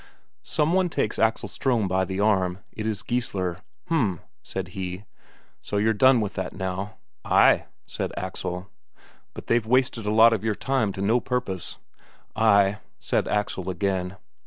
Someone takes Axel Ström by the arm: it is Geissler. "H'm," said he, "so you're done with that now!" "Ay," said Axel. "But they've wasted a lot of your time to no purpose." "Ay," said Axel again.